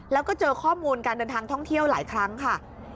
แล้วก็เจอข้อมูลการเดินทางท่องเที่ยวหลายครั้งค่ะ